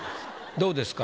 どうですか？